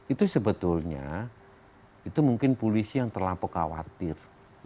itu sebetulnya itu mungkin polisi yang terlampau khawatir